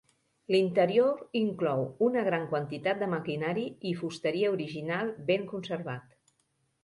L'interior inclou una gran quantitat de maquinari i fusteria original ben conservat.